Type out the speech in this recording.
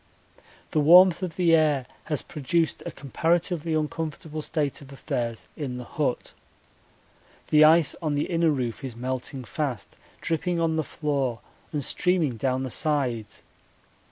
The warmth of the air has produced a comparatively uncomfortable state of affairs in the hut. The ice on the inner roof is melting fast, dripping on the floor and streaming down the sides.